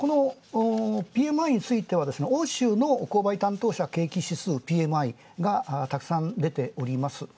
このＰＭＩについては欧州の購買担当者ＰＭＩ、たくさん出ております。